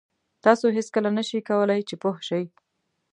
تاسو هېڅکله نه شئ کولای چې پوه شئ.